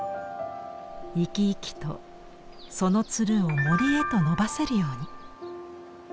生き生きとそのツルを森へと伸ばせるように。